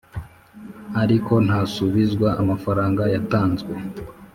ariko ntasubizwa amafranga yatanzwe.